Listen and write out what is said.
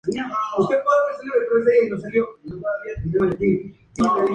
Nuevamente desembarcó en diciembre del mismo año, esta vez en Zárate.